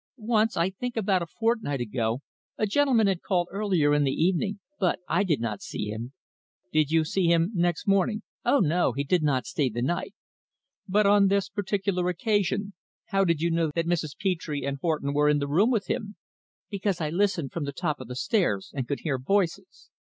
"Once, I think about a fortnight ago, a gentleman had called earlier in the evening. But I did not see him." "Did you see him next morning?" "Oh, no; he did not stay the night." "But on this particular occasion, how did you know that Mrs. Petre and Horton were in the room with him?" "Because I listened from the top of the stairs, and could hear voices.